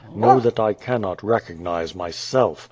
Know that I cannot recognize myself.